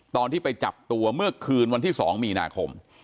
ตอนที่ไปจับตัวเมื่อคืนวันที่๒มีนาคม